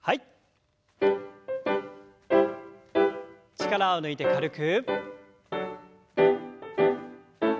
力を抜いて軽く。